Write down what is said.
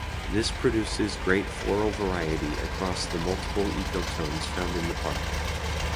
This produces great floral variety across the multiple ecotones found in the park.